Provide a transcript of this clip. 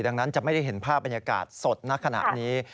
ดังนั้นจะไม่ได้เห็นภาพบรรยากาศสดณขณะนี้